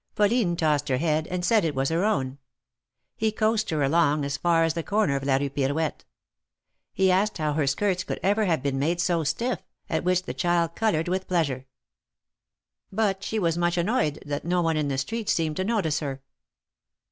Pauline tossed her head, and said it was her own. He coaxed her along as far as the corner of la Rue Pirouette. He asked how her skirts could ever have been made so stiff, at which the child colored with pleasure. But she was much annoyed that no one in the street seemed to notice her.